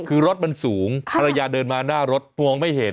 คือรถมันสูงภรรยาเดินมาหน้ารถมองไม่เห็น